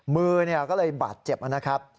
มือก็เลยบาดเจ็บนะครับ